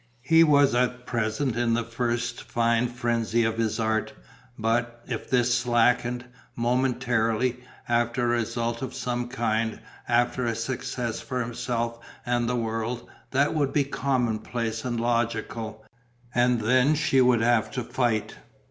He was at present in the first fine frenzy of his art; but, if this slackened, momentarily, after a result of some kind, after a success for himself and the world, that would be commonplace and logical; and then she would have to fight.